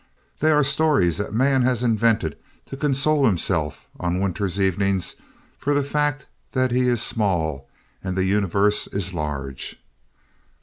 They are stories that man has invented to console himself on winter's evenings for the fact that he is small and the universe is large.